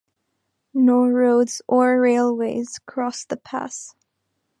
No roads or railways cross the pass.